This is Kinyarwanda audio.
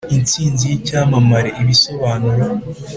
"intsinzi y'icyamamare" (ibisobanuro)